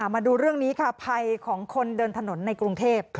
มาดูเรื่องนี้ค่ะภัยของคนเดินถนนในกรุงเทพ